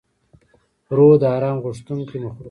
روح د آرام غوښتونکی مخلوق دی.